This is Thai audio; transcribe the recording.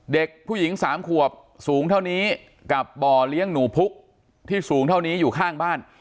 เด็กผู้หญิงสามขวบสูงเท่านี้กับบ่อเลี้ยงหนูพุกที่สูงเท่านี้อยู่ข้างบ้าน